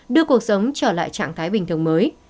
đưa cuộc sống trở lại trạng thái bình thường mới